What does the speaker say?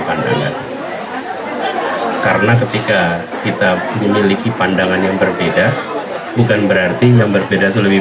pandangan karena ketika kita memiliki pandangan yang berbeda bukan berarti yang berbeda itu lebih